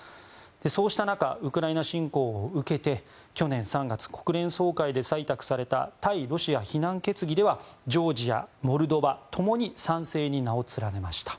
そうした中ウクライナ侵攻を受けて去年３月、国連総会で採択された対ロシア非難決議ではジョージア、モルドバは共に賛成に名を連ねました。